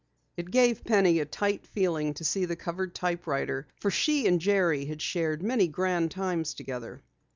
It gave Penny a tight feeling to see the covered typewriter, for she and Jerry had shared many grand times together.